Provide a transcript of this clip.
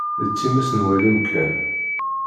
D times n walim kan.